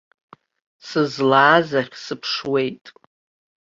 Сызлааз ахь сыԥшуеит.